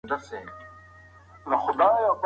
د لامبو ګټې د زړه، مغز او عضلاتو لپاره ډېرې دي.